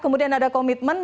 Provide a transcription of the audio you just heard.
kemudian ada komitmen